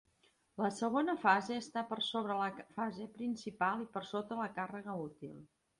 La segona fase està per sobre de la fase principal i per sota de la càrrega útil.